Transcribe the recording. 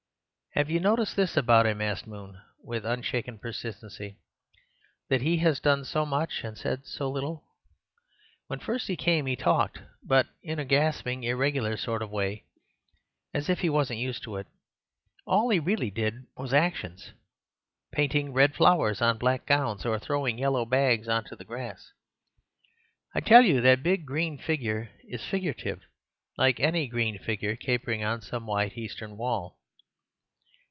"Have you noticed this about him," asked Moon, with unshaken persistency, "that he has done so much and said so little? When first he came he talked, but in a gasping, irregular sort of way, as if he wasn't used to it. All he really did was actions—painting red flowers on black gowns or throwing yellow bags on to the grass. I tell you that big green figure is figurative— like any green figure capering on some white Eastern wall."